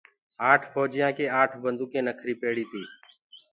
آٺ ڦوجِيآنٚ ڪي آٺ بنٚدوُڪينٚ نکريٚ پيڙيٚ تيٚ